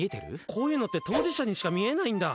こういうのって当事者にしか見えないんだ。